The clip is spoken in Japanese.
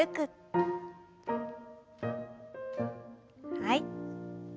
はい。